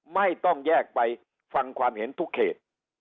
ไม่ต้องแยกไปฟังความเห็นทุกเขต